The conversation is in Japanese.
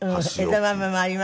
枝豆もあります。